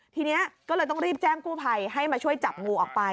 ทีนี้ก็เลยต้องรีบแจ้งกู้ภัยให้มาช่วยจับงูออกไป